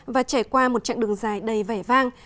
và trải qua một chặng đường dài đầy vẻ vang